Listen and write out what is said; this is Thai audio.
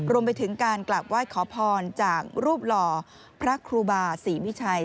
รวมไปถึงการกลับไหว้ขอพรจากรูปหล่อพระครูบาศรีวิชัย